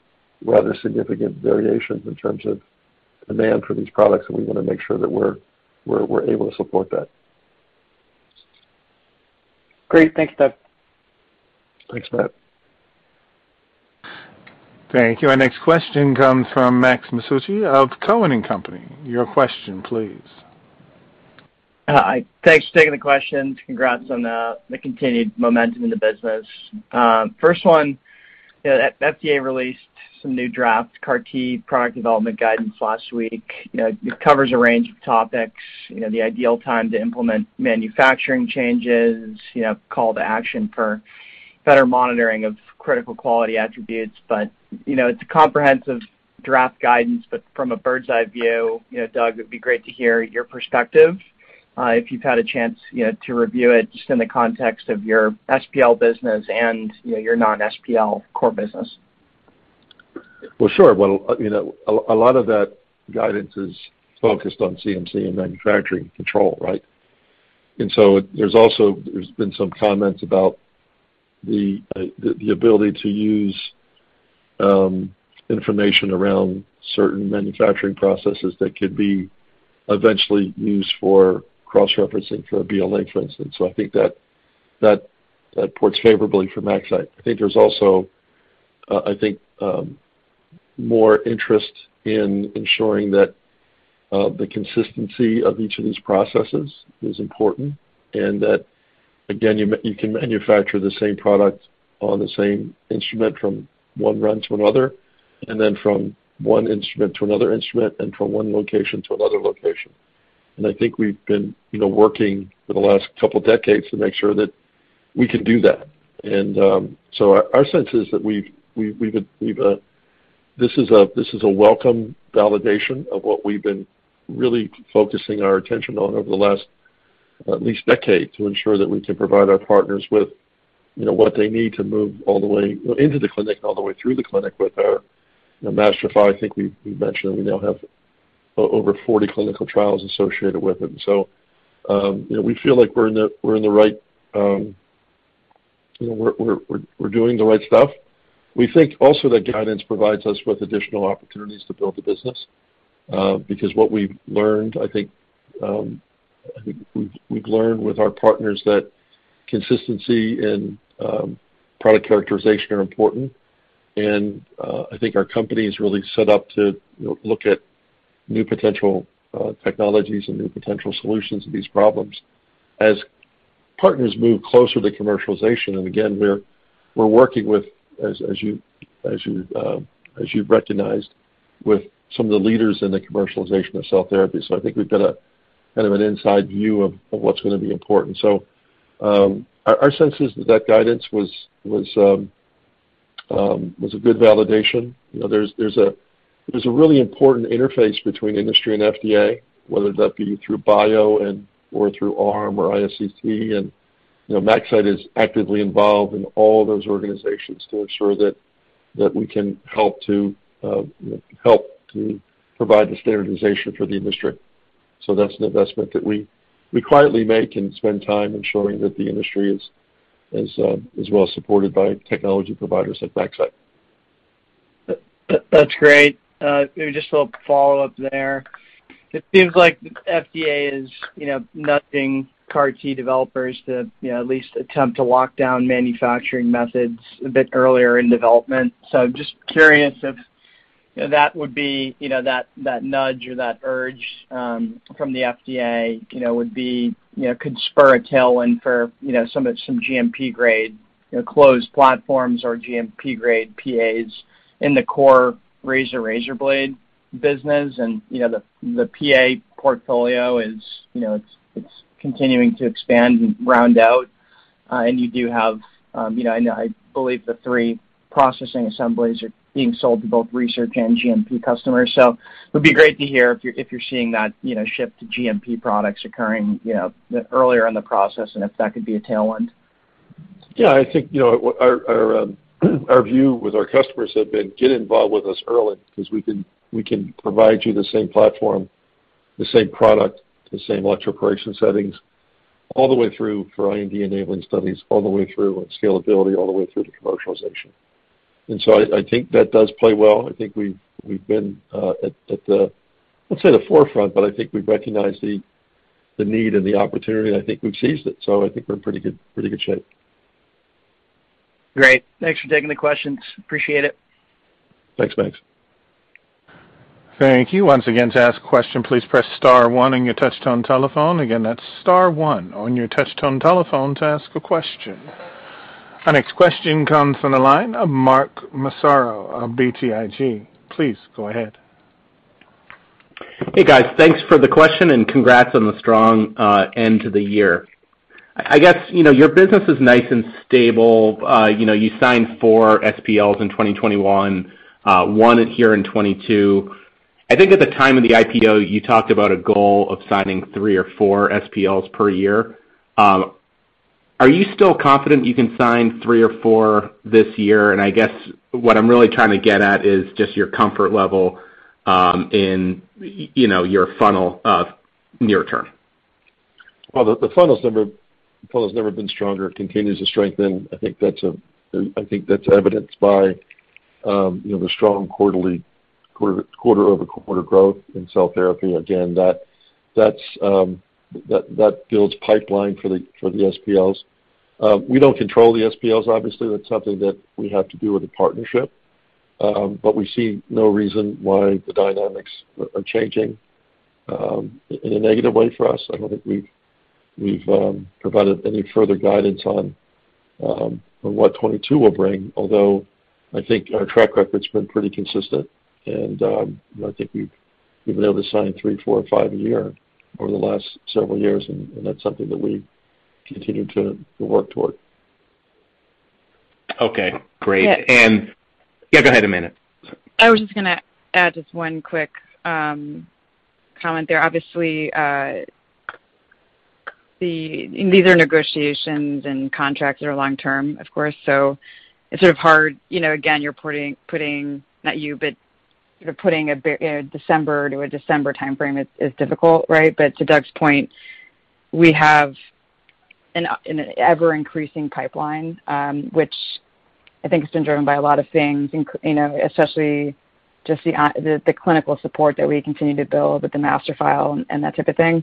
[SPEAKER 3] rather significant variations in terms of demand for these products, and we wanna make sure that we're able to support that.
[SPEAKER 9] Great. Thanks, Doug.
[SPEAKER 3] Thanks, Matt.
[SPEAKER 1] Thank you. Our next question comes from Max Masucci of Cowen and Company. Your question please.
[SPEAKER 10] Hi. Thanks for taking the question. Congrats on the continued momentum in the business. First one, you know, FDA released some new draft CAR T product development guidance last week. You know, it covers a range of topics, you know, the ideal time to implement manufacturing changes, you know, call to action for better monitoring of critical quality attributes. You know, it's a comprehensive draft guidance, but from a bird's eye view, you know, Doug, it'd be great to hear your perspective, if you've had a chance, you know, to review it just in the context of your SPL business and, you know, your non-SPL core business.
[SPEAKER 3] Well, sure. Well, you know, a lot of that guidance is focused on CMC and manufacturing control, right? There's also been some comments about the ability to use information around certain manufacturing processes that could be eventually used for cross-referencing for a BLA, for instance. I think that bodes favorably for MaxCyte. I think there's also more interest in ensuring that the consistency of each of these processes is important, and that, again, you can manufacture the same product on the same instrument from one run to another, and then from one instrument to another instrument and from one location to another location. I think we've been, you know, working for the last couple decades to make sure that we can do that. This is a welcome validation of what we've been really focusing our attention on over the last at least decade to ensure that we can provide our partners with, you know, what they need to move all the way, you know, into the clinic and all the way through the clinic with our, you know, Master File. I think we've mentioned that we now have over 40 clinical trials associated with it. We feel like we're in the right, you know, we're doing the right stuff. We think also that guidance provides us with additional opportunities to build the business, because what we've learned, I think, we've learned with our partners that consistency and product characterization are important. I think our company is really set up to, you know, look at new potential technologies and new potential solutions to these problems as partners move closer to commercialization. We're working with, as you've recognized, with some of the leaders in the commercialization of cell therapy. I think we've got a kind of an inside view of what's gonna be important. Our sense is that guidance was a good validation. You know, there's a really important interface between industry and FDA, whether that be through BIO and/or through ARM or ISCT. You know, MaxCyte is actively involved in all those organizations to ensure that we can help to, you know, provide the standardization for the industry. That's an investment that we quietly make and spend time ensuring that the industry is well supported by technology providers at MaxCyte.
[SPEAKER 10] That's great. Maybe just a little follow-up there. It seems like FDA is, you know, nudging CAR T developers to, you know, at least attempt to lock down manufacturing methods a bit earlier in development. Just curious if that would be, you know, that nudge or that urge from the FDA, you know, would be, you know, could spur a tailwind for some GMP grade, you know, closed platforms or GMP grade PAs in the core razor blade business. The PA portfolio is, you know, it's continuing to expand and round out. You do have, I know I believe the three processing assemblies are being sold to both research and GMP customers. It would be great to hear if you're seeing that, you know, shift to cGMP products occurring, you know, earlier in the process and if that could be a tailwind.
[SPEAKER 3] Yeah, I think, you know, our view with our customers have been get involved with us early because we can provide you the same platform, the same product, the same electroporation settings all the way through for IND enabling studies, all the way through scalability, all the way through to commercialization. I think that does play well. I think we've been at the forefront, but I think we recognize the need and the opportunity, and I think we've seized it. I think we're in pretty good shape.
[SPEAKER 10] Great. Thanks for taking the questions. Appreciate it.
[SPEAKER 3] Thanks, Max.
[SPEAKER 1] Thank you. Once again, to ask a question, please press star one on your touchtone telephone. Again, that's star one on your touchtone telephone to ask a question. Our next question comes from the line of Mark Massaro of BTIG. Please go ahead.
[SPEAKER 11] Hey, guys. Thanks for the question and congrats on the strong end to the year. I guess, you know, your business is nice and stable. You know, you signed four SPLs in 2021, one here in 2022. I think at the time of the IPO, you talked about a goal of signing three or four SPLs per year. Are you still confident you can sign three or four this year? I guess what I'm really trying to get at is just your comfort level, in, you know, your funnel of near term.
[SPEAKER 3] Well, the funnel's never been stronger. It continues to strengthen. I think that's evidenced by, you know, the strong quarter-over-quarter growth in cell therapy. Again, that builds pipeline for the SPLs. We don't control the SPLs. Obviously, that's something that we have to do with a partnership, but we see no reason why the dynamics are changing in a negative way for us. I don't think we've provided any further guidance on what 2022 will bring. Although I think our track record's been pretty consistent and I think we've been able to sign three, four or five a year over the last several years, and that's something that we continue to work toward.
[SPEAKER 11] Okay, great.
[SPEAKER 4] Yeah-
[SPEAKER 11] Yeah, go ahead, Amanda.
[SPEAKER 4] I was just gonna add just one quick comment there. Obviously, these are negotiations and contracts are long term, of course. It's sort of hard, you know, again, you're putting, not you, but you're putting a December to a December timeframe is difficult, right? To Doug's point, we have an ever-increasing pipeline, which I think has been driven by a lot of things you know, especially just the the clinical support that we continue to build with the Master File and that type of thing.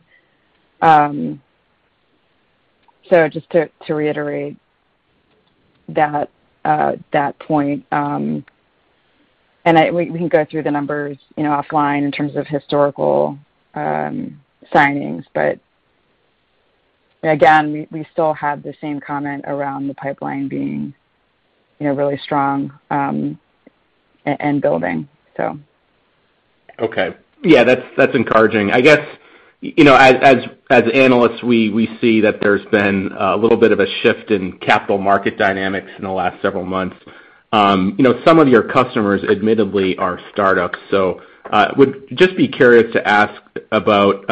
[SPEAKER 4] Just to reiterate that point, we can go through the numbers, you know, offline in terms of historical signings. Again, we still have the same comment around the pipeline being, you know, really strong and building, so.
[SPEAKER 11] Okay. Yeah, that's encouraging. I guess, you know, as analysts, we see that there's been a little bit of a shift in capital market dynamics in the last several months. You know, some of your customers admittedly are startups. Would just be curious to ask about,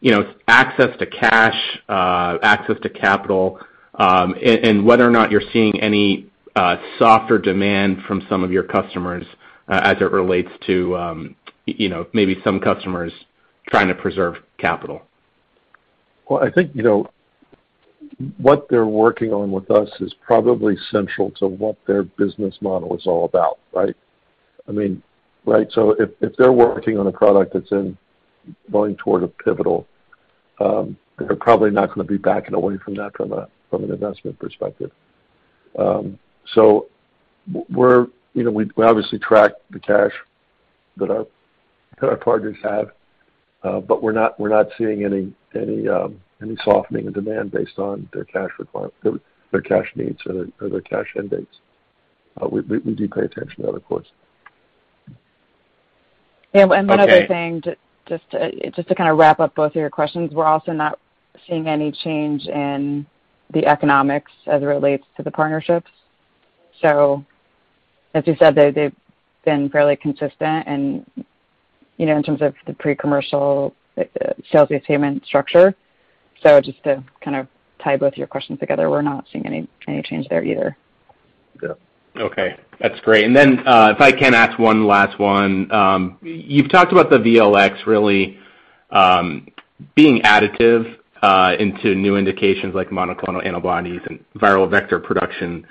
[SPEAKER 11] you know, access to cash, access to capital, and whether or not you're seeing any softer demand from some of your customers, as it relates to, you know, maybe some customers trying to preserve capital.
[SPEAKER 3] Well, I think, you know, what they're working on with us is probably central to what their business model is all about, right? I mean, right? If they're working on a product that's going toward a pivotal, they're probably not gonna be backing away from that from an investment perspective. We, you know, obviously track the cash that our partners have, but we're not seeing any softening in demand based on their cash needs or their cash end dates. We do pay attention to that, of course.
[SPEAKER 4] Yeah.
[SPEAKER 11] Okay.
[SPEAKER 4] The other thing, just to kind of wrap up both of your questions, we're also not seeing any change in the economics as it relates to the partnerships. As you said, they've been fairly consistent and, you know, in terms of the pre-commercial, sales-based payment structure. Just to kind of tie both of your questions together, we're not seeing any change there either.
[SPEAKER 3] Yeah.
[SPEAKER 11] Okay, that's great. If I can ask one last one. You've talked about the VLx really being additive into new indications like monoclonal antibodies and viral vector production.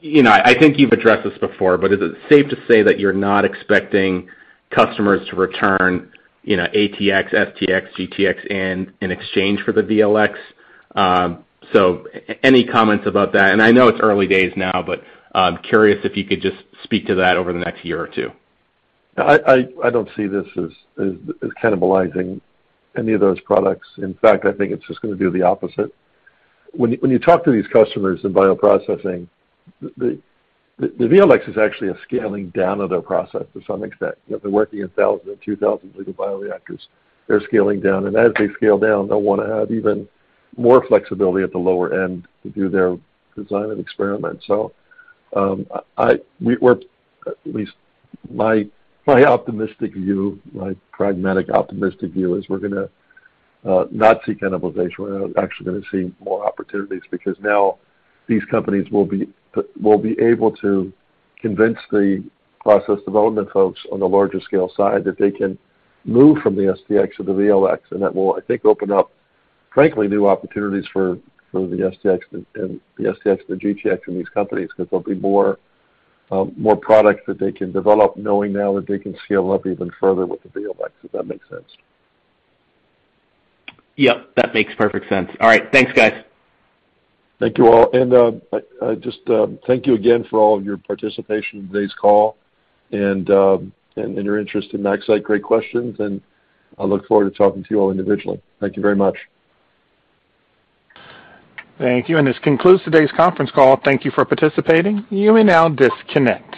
[SPEAKER 11] You know, I think you've addressed this before, but is it safe to say that you're not expecting customers to return ATx, STx, GTx in exchange for the VLx? Any comments about that? I know it's early days now, but I'm curious if you could just speak to that over the next year or two.
[SPEAKER 3] I don't see this as cannibalizing any of those products. In fact, I think it's just gonna do the opposite. When you talk to these customers in Bioprocessing, the VLx is actually a scaling down of their process to some extent. They're working in 1,000- and 2,000-liter bioreactors. They're scaling down, and as they scale down, they'll wanna have even more flexibility at the lower end to do their design and experiments. We're at least my optimistic view, my pragmatic optimistic view is we're gonna not see cannibalization. We're actually gonna see more opportunities because now these companies will be able to convince the process development folks on the larger scale side that they can move from the STx to the VLx. That will, I think, open up, frankly, new opportunities for the STX and the GTX in these companies because there'll be more products that they can develop knowing now that they can scale up even further with the VLX, if that makes sense.
[SPEAKER 11] Yep, that makes perfect sense. All right. Thanks, guys.
[SPEAKER 3] Thank you all. I just thank you again for all of your participation in today's call and your interest in MaxCyte. Great questions, and I look forward to talking to you all individually. Thank you very much.
[SPEAKER 1] Thank you. This concludes today's conference call. Thank you for participating. You may now disconnect.